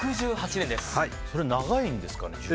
それ、長いんですか？